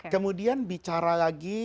kemudian bicara lagi